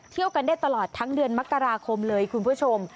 เที่ยวกันได้ตลอดทั้งเดือนมกราคมเลยคุณผู้ชม